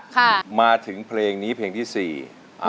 ค่ะค่ะมาถึงเพลงนี้เพลงที่๔เอาล่ะสิ